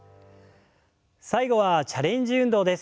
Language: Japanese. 最後はチャレンジ運動です。